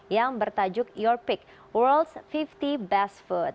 yang bertajuk your pick world's lima puluh best food